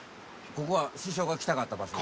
ここは師匠が来たかった場所？